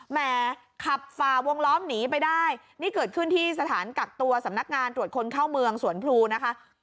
แหมขับฝ่าวงล้อมหนีไปได้นี่เกิดขึ้นที่สถานกักตัวสำนักงานตรวจคนเข้าเมืองสวนพลูนะคะ